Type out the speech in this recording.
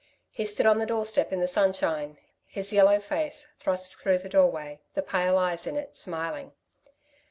He stood on the doorstep in the sunshine, his yellow face thrust through the doorway, the pale eyes in it, smiling.